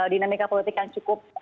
dinamika politik yang cukup